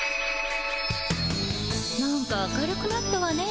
なんか明るくなったわね